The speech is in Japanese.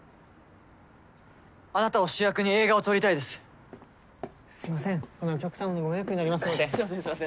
あなたを主役に映画を撮りたいですすみませんほかのお客様のご迷惑になりますのですみません